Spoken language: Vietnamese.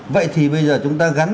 vậy thì bây giờ chúng ta gắn